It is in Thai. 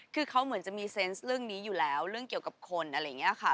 คือเขาเหมือนจะมีเซนต์เรื่องนี้อยู่แล้วเรื่องเกี่ยวกับคนอะไรอย่างนี้ค่ะ